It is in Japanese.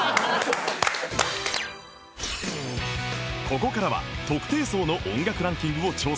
ここからは特定層の音楽ランキングを調査